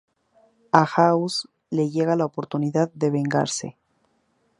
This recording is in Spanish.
A House le llega la oportunidad de vengarse.